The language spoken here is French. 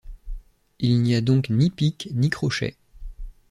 Il n'y a donc ni pic, ni crochet.